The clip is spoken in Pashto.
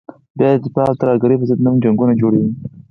بیا د دفاع او ترهګرې ضد په نوم جنګونه جوړوي.